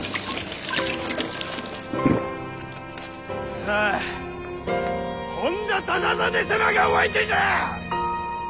さあ本多忠真様がお相手じゃあ！